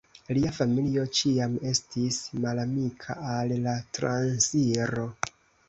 Lia familio ĉiam estis malamika al la transiro.